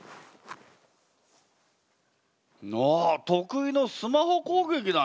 あっ得意のスマホ攻撃だね。